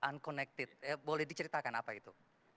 untuk yang diangkat tidak terhubung boleh diceritakan apa itu